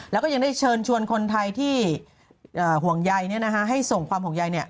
แล้วก็ยังได้เชิญชวนคนไทยที่ห่วงใยให้ส่งความห่วงใย